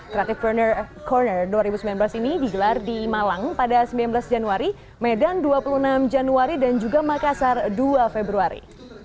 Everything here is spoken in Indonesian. creative pruner of corner dua ribu sembilan belas ini digelar di malang pada sembilan belas januari medan dua puluh enam januari dan juga makassar dua februari